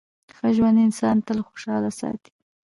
ښه ژوند انسان تل خوشحاله ساتي.